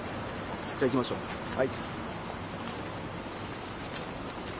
じゃあ行きましょう、はい。